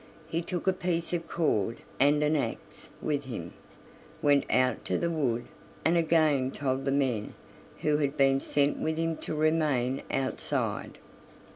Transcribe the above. He took a piece of cord and an axe with him, went out to the wood, and again told the men who had been sent with him to remain outside.